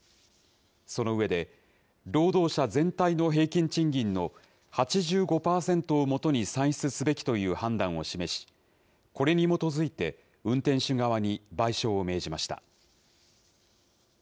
その上で、労働者全体の平均賃金の８５％をもとに算出すべきという判断を示し、これに基づいて運転手側に賠償を命じました。